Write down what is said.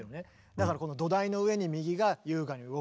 だからこの土台の上に右が優雅に動く。